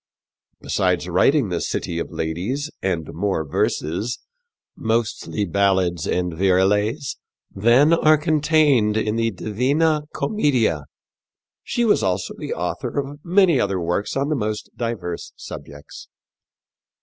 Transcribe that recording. Besides writing The City of Ladies and more verses mostly ballads and virelays than are contained in the Divina Commedia, she was also the author of many other works on the most diverse subjects.